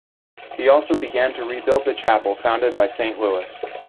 He also began to rebuild the chapel founded by Saint Louis.